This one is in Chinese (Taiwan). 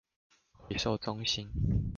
回收中心